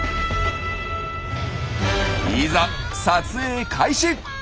いざ撮影開始！